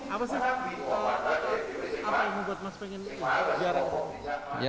apa sih apa yang membuat mas pengen jarang